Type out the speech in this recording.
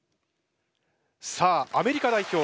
さあアメリカ代表